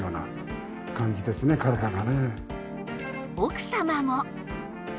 奥様も